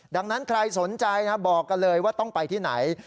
ดังนั้นใครสนใจนะบอกกันเลยว่าต้องไปที่ไหน